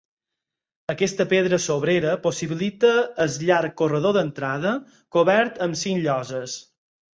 Aquesta pedra sobrera possibilita el llarg corredor d'entrada, cobert amb cinc lloses.